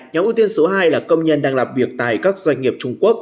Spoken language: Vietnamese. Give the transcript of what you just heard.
nhóm ưu tiên số hai là công nhân đang làm việc tại các doanh nghiệp trung quốc